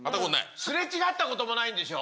すれ違ったこともないんでしょう。